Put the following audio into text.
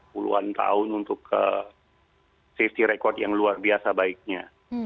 puluhan tahun untuk safety record yang luar biasa baiknya